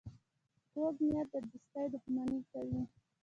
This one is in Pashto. کوږ نیت د دوستۍ دښمني کوي